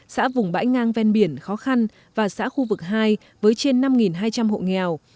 xã vùng bãi ngang ven biển khó khăn và xã khu vực hai với trên năm hai trăm linh hộ nghèo